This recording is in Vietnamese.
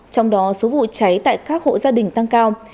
trong đó số vụ cháy tại các hộ gia đình tăng cao